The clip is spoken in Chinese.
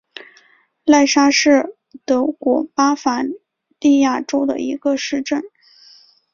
赖沙是德国巴伐利亚州的一个市镇。